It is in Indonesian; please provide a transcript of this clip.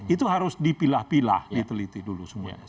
itu harus dipilah pilah diteliti dulu semuanya